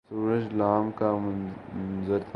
سورج ل کا منظر تھا